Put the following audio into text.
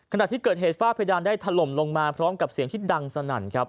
ขณะที่เกิดเหตุฝ้าเพดานได้ถล่มลงมาพร้อมกับเสียงที่ดังสนั่นครับ